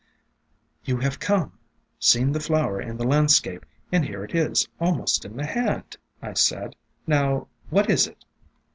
"You have come, seen the flower in the landscape, and here it is almost in the hand," I said. "Now what is it